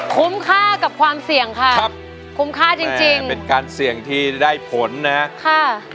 คุ้มค่ากับความเสี่ยงค่ะครับคุ้มค่าจริงจริงเป็นการเสี่ยงที่ได้ผลนะค่ะ